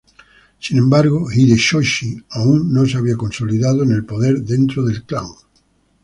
Sin embargo, Hideyoshi aún no se había consolidado en el poder dentro del clan.